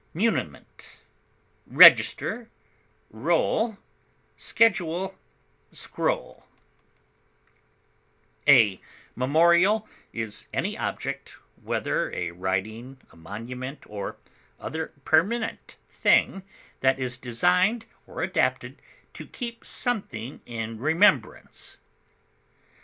document, inscription, muniment, A memorial is any object, whether a writing, a monument, or other permanent thing that is designed or adapted to keep something in remembrance.